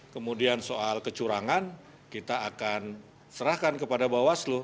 kemudian soal kecurangan kita akan serahkan kepada bawaslu